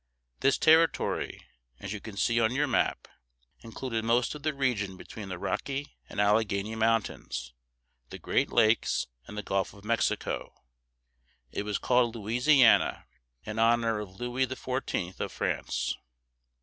This territory, as you can see on your map, included most of the region between the Rocky and Alleghany Mountains, the Great Lakes, and the Gulf of Mexico; it was called Lou i si a´na, in honor of Louis XIV. of France.